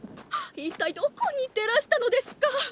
一体どこに行ってらしたのですか！